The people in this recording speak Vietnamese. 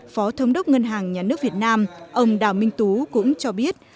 phó thống đốc ngân hàng nhà nước việt nam ông đào minh tú cũng cho biết